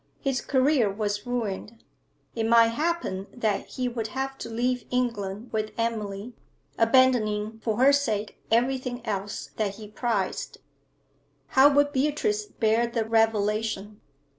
His career was ruined. It might happen that he would have to leave England with Emily, abandoning for her sake everything else that he prized. How would Beatrice bear the revelation?